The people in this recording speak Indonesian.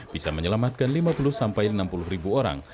bisa menyelamatkan lima puluh sampai enam puluh ribu orang